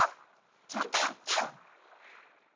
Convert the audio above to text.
ちゃんとやってよ！